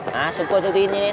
hả xuống coi cho tin nghe lên